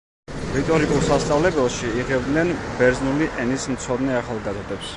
რიტორიკულ სასწავლებელში იღებდნენ ბერძნული ენის მცოდნე ახალგაზრდებს.